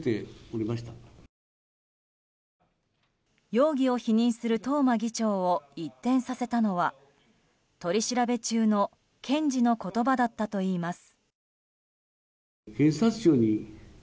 容疑を否認する東間議長を一転させたのは取り調べ中の検事の言葉だったといいます。